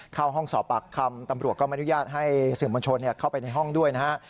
เข้าห้องสอบปากคำตำรวจก็ไม่อนุญาตให้สื่อมวลชนเข้าไปในห้องด้วยนะฮะ